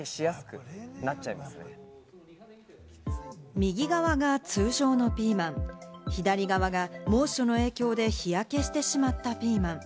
右側が通常のピーマン、左側が猛暑の影響で日焼けしてしまったピーマン。